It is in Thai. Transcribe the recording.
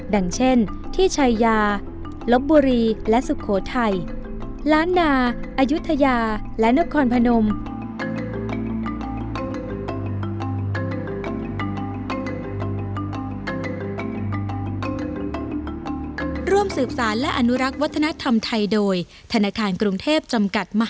เช่นที่ชายาลบบุรีและสุโขทัยล้านนาอายุทยาและนครพนม